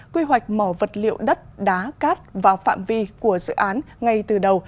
quy hoạch mỏ vật liệu đất đá cát vào phạm vi của dự án ngay từ đầu